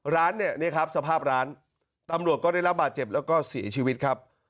ร้านความร้านตำรวจก็ได้รับบาดเจ็บแล้วก็สีชีวิตครับ